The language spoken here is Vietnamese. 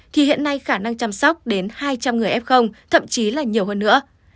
thì hiện nay khả năng chăm sóc đến hai trăm linh người f thậm chí là nhiều hơn nữa